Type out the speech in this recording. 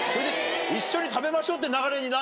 一緒に食べましょうって流れになるの？